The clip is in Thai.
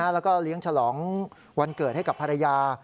แล้วก็เลี้ยงฉลองวันเกิดให้กับภรรยา